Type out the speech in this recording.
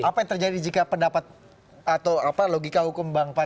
apa yang terjadi jika pendapat atau logika hukum pak